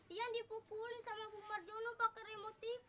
ian dipukulin sama bu marjono pakai remote tv